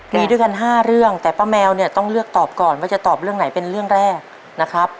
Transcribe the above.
มีด้วยกัน๕เรื่องแต่ป้าแมวเนี่ยต้องเลือกตอบก่อนว่าจะตอบเรื่องไหนเป็นเรื่องแรกนะครับ